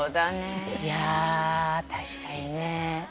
いや確かにね。